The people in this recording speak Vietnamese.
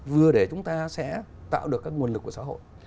vừa để chúng ta sẽ tạo được các nguồn lực của xã hội